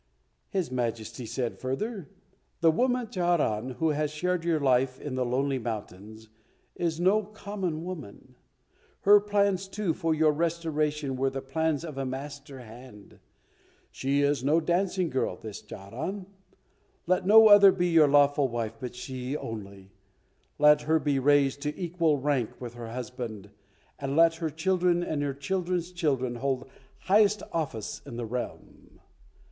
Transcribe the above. His Majesty said further, "The woman Charan, who has shared your life in the lonely mountains, is no common woman. Her plans, too, for your restoration were the plans of a master hand. She is no dancing girl, this Charan. Let no other be your lawful wife but she only; let her be raised to equal rank with her husband, and let her children and her children's children hold highest office in the realm."